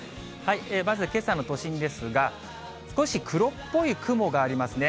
まずけさの都心ですが、少し黒っぽい雲がありますね。